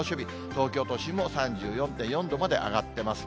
東京都心も３４．４度まで上がってます。